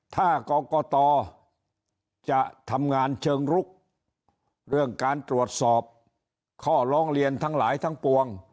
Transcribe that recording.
ถ้ากรกตจะทำงานเชิงลุกเรื่องการตรวจสอบข้อร้องเรียนทั้งหลายทั้งปวง